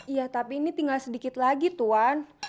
iya tapi ini tinggal sedikit lagi tuan